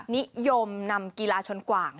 นิยมนำกีฬาชนกว่าง